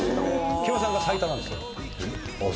木村さんが最多なんですよ。えっ？